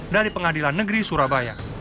dari pengadilan negeri surabaya